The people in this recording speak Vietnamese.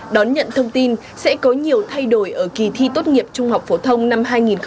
đón nhận thông tin sẽ có nhiều thay đổi ở kỳ thi tốt nghiệp trung học phổ thông năm hai nghìn hai mươi